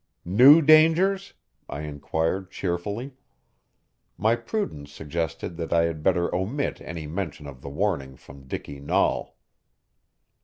"New dangers?" I inquired cheerfully. My prudence suggested that I had better omit any mention of the warning from Dicky Nahl.